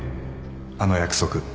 あの約束